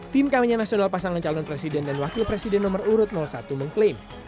tim kmnp calon presiden dan wakil presiden nomor urut satu mengklaim